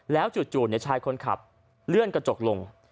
แล้วจู่ชายคนขับเลื่อนกระจกลง